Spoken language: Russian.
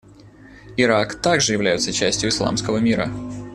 Ирак также является частью исламского мира.